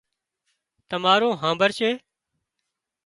تمارون هانمڀۯشي